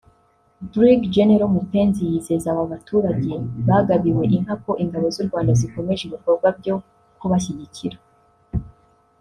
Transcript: Brig General Mupenzi yizeza aba baturage bagabiwe inka ko ingabo z’u Rwanda zikomeje ibikorwa byo kubashyigikira